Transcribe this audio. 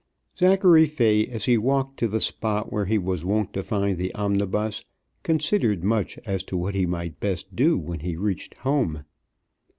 Zachary Fay, as he walked to the spot where he was wont to find the omnibus, considered much as to what he might best do when he reached home.